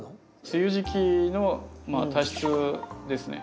梅雨時期のまあ多湿ですね。